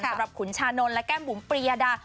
ขุนชานนท์และแก้มบุ๋มปริยดา